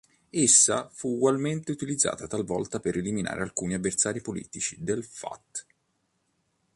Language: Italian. Essa fu ugualmente utilizzata talvolta per eliminare alcuni avversari politici del "Fath".